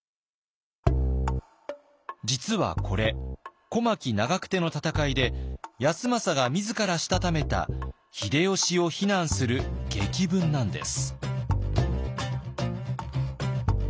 実はこれ小牧・長久手の戦いで康政が自らしたためた秀吉を非難する檄文なんです。